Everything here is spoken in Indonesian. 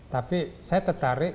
tapi saya tertarik